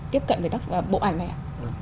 tiếp cận với bộ ảnh này ạ